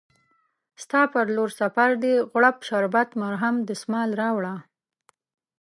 ستا په لورسفردي، غوړپ شربت، مرهم، دسمال راوړه